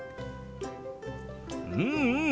うんうん。